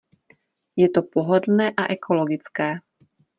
Je to pohodlné a ekologické.